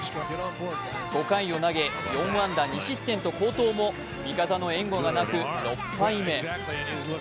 ５回を投げ、４安打２失点と好投も味方の援護がなく、６敗目。